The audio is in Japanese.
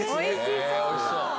おいしそう！